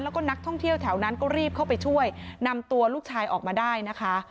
แล้วก็นักท่องเที่ยวแถวนั้นก็รีบเข้าไปช่วยนำตัวลูกชายออกมาได้นะคะ